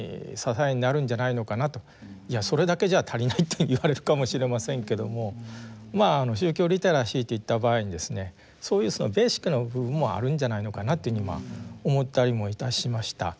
いやそれだけじゃ足りないって言われるかもしれませんけども宗教リテラシーって言った場合にですねそういうベーシックな部分もあるんじゃないのかなっていうふうに今思ったりもいたしました。